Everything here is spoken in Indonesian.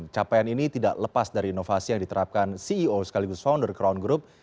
capaian ini tidak lepas dari inovasi yang diterapkan ceo sekaligus founder crown group